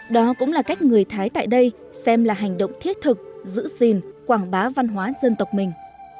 đó cũng là cách người thái tại đây xem là hành động thiết thực giữ gìn quảng bá văn hóa dân tộc mình